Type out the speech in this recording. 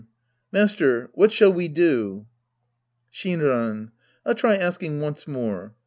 Master, what shall we do ? Shinran. I'll try asking once more.